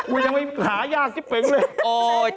อุ๊ยยังไม่หายากจิ๊บเป็งเลย